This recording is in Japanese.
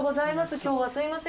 今日はすいません。